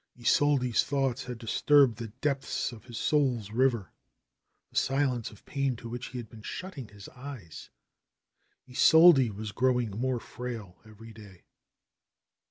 Isolde's thoughts had disturbed the depths of his soul's river, the silence of pain to which he had been shutting his eyes. Isolde was growing more frail every day.